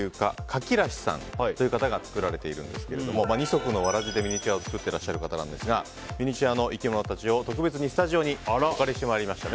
かきらしさんという方が作られているんですけども二足のわらじでミニチュアを作っていらっしゃる方なんですがミニチュアの生き物たちを特別にスタジオにお借りしてきました。